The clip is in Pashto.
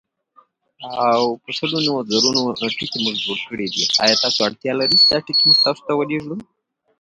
غزني د افغانستان د سیلګرۍ یوه خورا مهمه او ګټوره برخه ده.